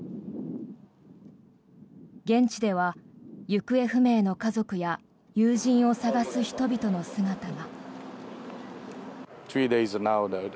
現地では行方不明の家族や友人を捜す人々の姿が。